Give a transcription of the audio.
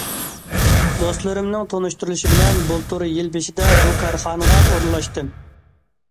دوستلىرىمنىڭ تونۇشتۇرۇشى بىلەن بۇلتۇر يىل بېشىدا بۇ كارخانىغا ئورۇنلاشتىم.